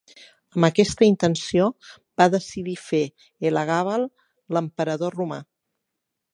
Amb aquesta intenció, va decidir fer Elagàbal l'emperador romà.